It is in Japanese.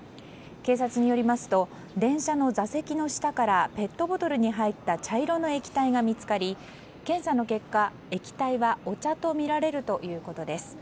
警察によりますと電車の座席の下からペットボトルに入った茶色の液体が見つかり検査の結果、液体はお茶とみられるということです。